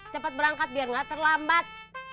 cepat berangkat biar nggak terlambat